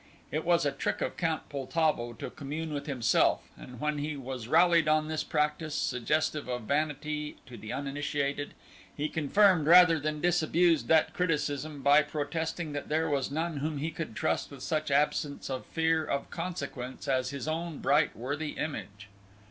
It was a trick of Count Poltavo to commune with himself, and when he was rallied on this practice, suggestive of vanity to the uninitiated, he confirmed rather than disabused that criticism by protesting that there was none whom he could trust with such absence of fear of consequence as his own bright worthy image.